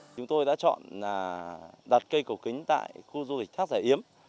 chúng tôi đặt cây cầu kính tại khu du lịch hác giải yếm